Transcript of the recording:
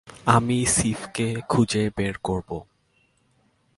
আমি সিফকে খুঁজে বের করব।